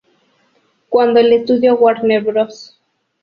Cuando el estudio Warner Bros.